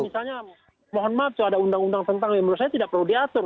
misalnya mohon maaf ada undang undang tentang yang menurut saya tidak perlu diatur